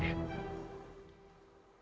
lu kan baru tunangan sama dia